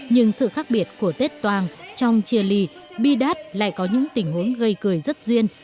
nhưng sự khác biệt của tết toàn trong chia ly bi đát lại có những tình huống gây cười rất duyên